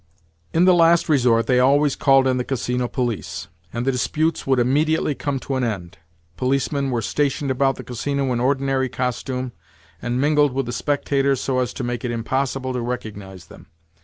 In the last resort they always called in the Casino police, and the disputes would immediately come to an end. Policemen were stationed about the Casino in ordinary costume, and mingled with the spectators so as to make it impossible to recognise them.